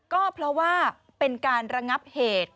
ก็เพราะว่าเป็นการระงับเหตุ